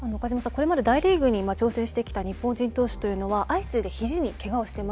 これまで大リーグに挑戦してきた日本人投手というのは相次いでひじにけがをしてますよね。